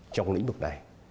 trong lĩnh vực này